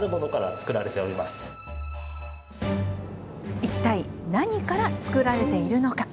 いったい何から作られているのか。